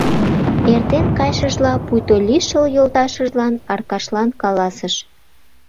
Эртен кайшыжла пуйто лишыл йолташыжлан Аркашлан каласыш: